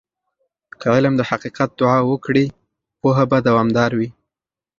که علم د حقیقت دعا وکړي، پوهه به دوامدار وي.